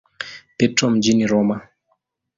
Petro mjini Roma.